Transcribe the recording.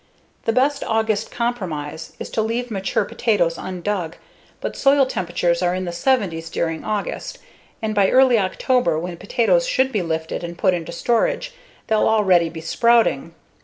The best August compromise is to leave mature potatoes undug, but soil temperatures are in the 70s during August, and by early October, when potatoes should be lifted and put into storage, they'll already be sprouting.